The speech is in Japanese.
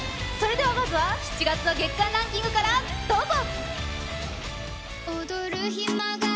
まずは７月の月間ランキングからどうぞ。